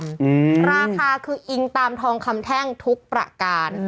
ราคาคืออิงตามทองคำแท่งทุกประการ